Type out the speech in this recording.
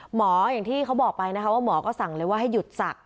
หมออย่างที่เขาบอกไปนะคะว่าหมอก็สั่งเลยว่าให้หยุดศักดิ